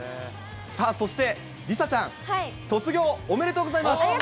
さあ、そして梨紗ちゃん、卒業おめでとうございます。